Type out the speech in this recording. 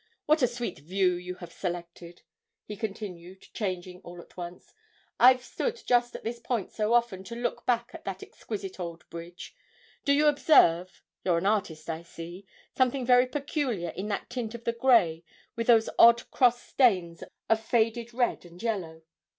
What a sweet view you have selected,' he continued, changing all at once. 'I've stood just at this point so often to look back at that exquisite old bridge. Do you observe you're an artist, I see something very peculiar in that tint of the grey, with those odd cross stains of faded red and yellow?'